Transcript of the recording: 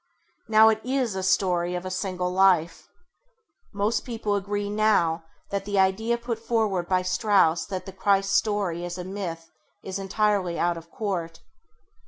Now it is a story of a single life. Most [Page 10] people agree now that the idea put forward by Strauss that the Christ story is a myth is entirely out of court.